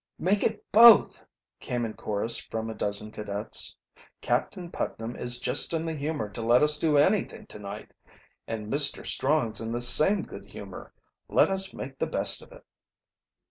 "Make it both!" came in chorus from a dozen cadets. "Captain Putnam is just in the humor to let us do anything to night. And Mr. Strong's in the same good humor. Let us make the best of it."